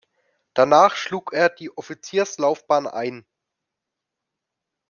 Danach schlug er die Offizierslaufbahn ein.